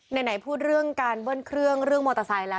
ไหนพูดเรื่องการเบิ้ลเครื่องเรื่องมอเตอร์ไซค์แล้ว